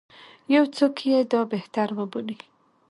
یو څوک یې دا بهتر وبولي.